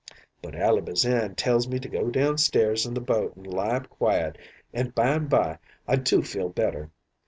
"But Ally Bazan tells me to go downstairs in the boat an' lie up quiet, an' byne by I do feel better.